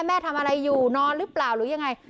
แม่ทำอะไรอยู่นอนหรือเปล่าหรือยังไง